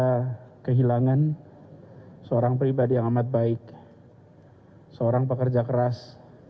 kita kehilangan seorang pribadi yang amat baik seorang pekerja keras